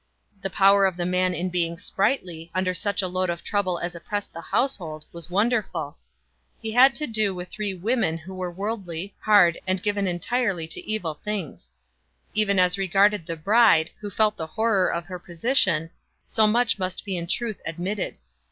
The power of the man in being sprightly under such a load of trouble as oppressed the household, was wonderful. He had to do with three women who were worldly, hard, and given entirely to evil things. Even as regarded the bride, who felt the horror of her position, so much must be in truth admitted.